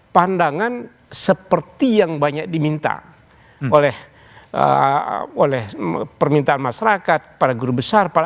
pandangan seperti yang banyak diminta oleh permintaan masyarakat para guru besar